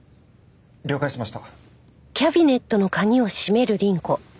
了解しました。